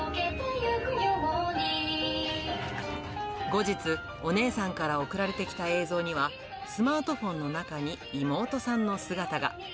後日、お姉さんから送られてきた映像には、スマートフォンの中に妹さんの姿が。